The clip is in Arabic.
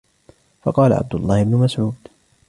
فَقَالَ عَبْدُ اللَّهِ بْنُ مَسْعُودٍ